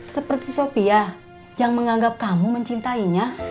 seperti sopi ya yang menganggap kamu mencintainya